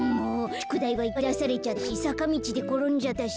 しゅくだいはいっぱいだされちゃったしさかみちでころんじゃったし。